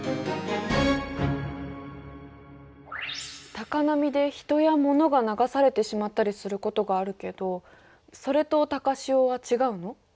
高波で人や物が流されてしまったりすることがあるけどそれと高潮は違うの？